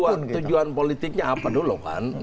ya tujuan politiknya apa dulu kan